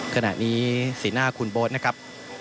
ขนาดนี้ศรีหน้าคุณปอทิศดีนะครับ